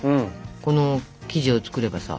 この生地を作ればさ。